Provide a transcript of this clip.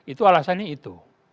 itu alasannya itu